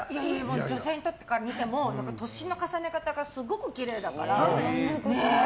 女性から見ても年の重ね方がすごくきれいだから。